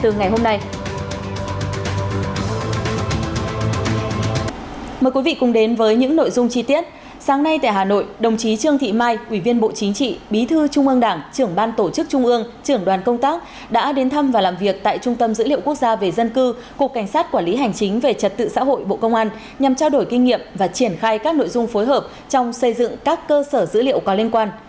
nhà hà nội đồng chí trương thị mai ủy viên bộ chính trị bí thư trung ương đảng trưởng ban tổ chức trung ương trưởng đoàn công tác đã đến thăm và làm việc tại trung tâm dữ liệu quốc gia về dân cư cục cảnh sát quản lý hành chính về trật tự xã hội bộ công an nhằm trao đổi kinh nghiệm và triển khai các nội dung phối hợp trong xây dựng các cơ sở dữ liệu có liên quan